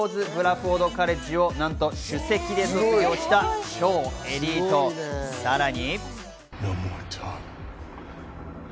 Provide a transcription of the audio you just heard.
ローズ・ブラフォード・カレッジをなんと首席で卒業した超エリートをさらに。